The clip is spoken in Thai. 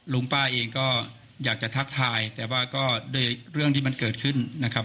ลุงป้าเองก็อยากจะทักทายแต่ว่าก็ด้วยเรื่องที่มันเกิดขึ้นนะครับ